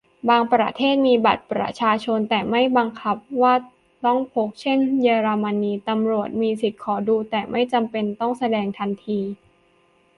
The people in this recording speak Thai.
บางประเทศมีบัตรประชาชน แต่ไม่บังคับว่าต้องพก เช่น เยอรมนี ตำรวจมีสิทธิขอดู แต่ไม่จำเป็นต้องแสดงทันที